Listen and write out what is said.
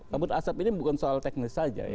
kabut asap ini bukan soal teknis saja ya